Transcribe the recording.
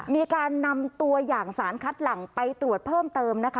มีการนำตัวอย่างสารคัดหลังไปตรวจเพิ่มเติมนะคะ